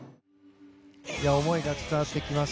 思いが伝わってきます。